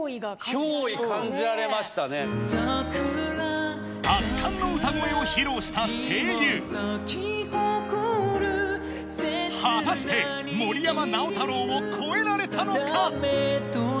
憑依感じられましたね。を披露した声優果たして森山直太朗を超えられたのか？